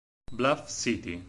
Bluff City